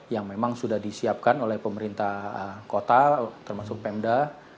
yang memang sudah disiapkan oleh pemerintah kota termasuk pemda